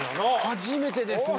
初めてですね。